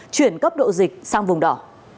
chuyển cấp độ dịch sang vùng đỏ